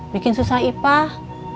bikin susah ipah